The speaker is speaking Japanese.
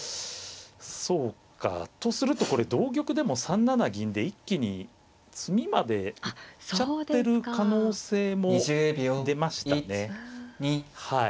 そうかとするとこれ同玉でも３七銀で一気に詰みまで行っちゃってる可能性も出ましたね。